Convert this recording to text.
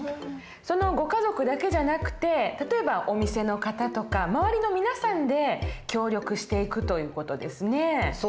ご家族だけじゃなくて例えばお店の方とか周りの皆さんで協力していくという事ですね。